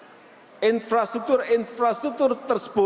dan menyambungkan infrastruktur infrastruktur besar itu